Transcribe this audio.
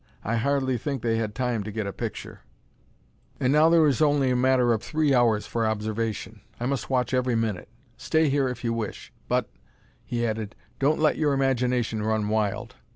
I hardly think they had time to get a picture. "And now there is only a matter of three hours for observation: I must watch every minute. Stay here if you wish. But," he added, "don't let your imagination run wild.